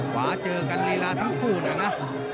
ขวาเจอกันเมื่อทั้งกลุ่มนั่นนะ